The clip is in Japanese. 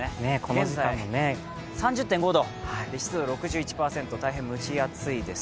現在は気温３０．５度、湿度が６０％、大変蒸し暑いです。